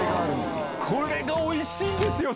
これがおいしいんですよ！